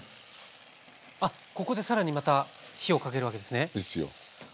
あっここで更にまた火をかけるわけですね。ですようん。